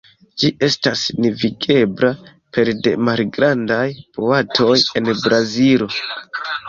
Ĝi estas navigebla pere de malgrandaj boatoj en Brazilo.